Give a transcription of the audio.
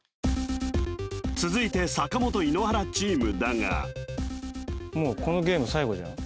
続いて坂本井ノ原チームだがもうこのゲーム最後じゃん？